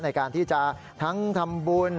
ในการที่จะทั้งทำบุญ